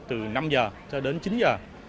từ năm giờ cho đến chín giờ